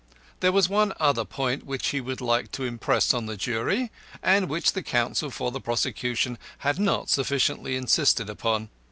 There was one other point which he would like to impress on the jury, and which the counsel for the prosecution had not sufficiently insisted upon.